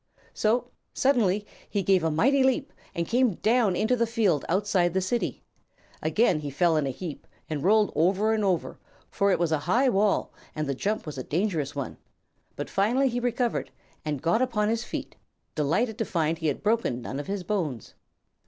So, suddenly he gave a mighty leap and came down into the field outside the City. Again he fell in a heap and rolled over and over, for it was a high wall and the jump a dangerous one; but finally he recovered and got upon his feet, delighted to find he had broken none of his bones.